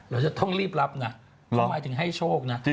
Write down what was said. เราจะต้องรีบรับนะเขาหมายถึงให้โชคนะ